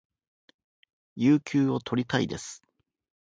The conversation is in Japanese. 有給を取りたいです